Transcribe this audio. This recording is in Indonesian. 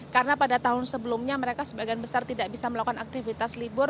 karena pada tahun sebelumnya mereka sebagian besar tidak bisa melakukan aktivitas libur